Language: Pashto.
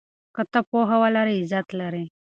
که ته پوهه ولرې عزت لرې.